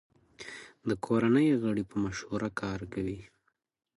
د کورنۍ غړي په مشوره کار کوي.